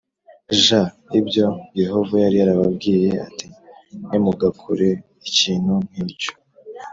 j ibyo Yehova yari yarababwiye ati ntimugakore ikintu nk icyo